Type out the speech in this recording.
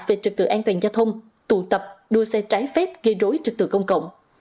về trực tự an toàn giao thông tụ tập đua xe trái phép gây rối trực tự công cộng